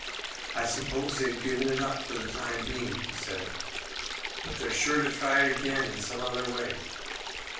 "I suppose they've given it up for the time being," he said, "but they're sure to try it again in some other way."